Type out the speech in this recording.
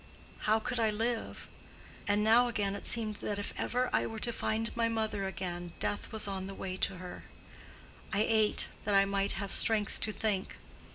How could I live? And now again it seemed that if ever I were to find my mother again, death was the way to her. I ate, that I might have strength to think.